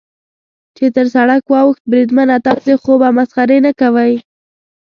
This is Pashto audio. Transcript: چې تر سړک واوښت، بریدمنه، تاسې خو به مسخرې نه کوئ.